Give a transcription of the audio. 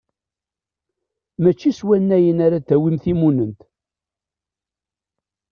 Mačči s wannayen ara d-tawim timunnent.